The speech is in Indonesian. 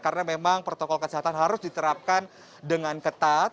karena memang protokol kesehatan harus diterapkan dengan ketat